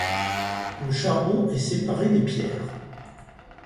Le charbon est séparé des pierres.